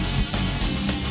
terima kasih chandra